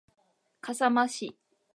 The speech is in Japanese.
笠間市